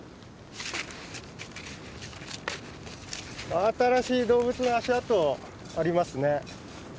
真新しい動物の足跡ありますね。